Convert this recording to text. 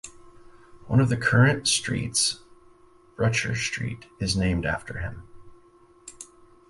One of the current streets, Brutscher Street, is named after him.